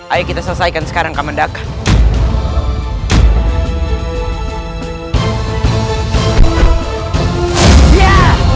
ayo kita selesaikan sekarang kamendakan